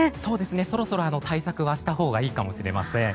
そろそろ対策はしたほうがいいかもしれません。